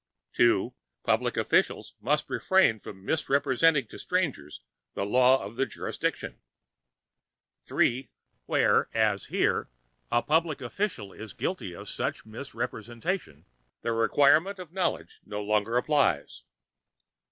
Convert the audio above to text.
(2) Public officials must refrain from misrepresenting to strangers the law of the jurisdiction. (3) Where, as here, a public official is guilty of such misrepresentation, the requirement of knowledge no longer applies.